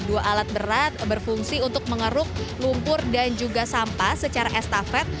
dua alat berat berfungsi untuk mengeruk lumpur dan juga sampah secara estafet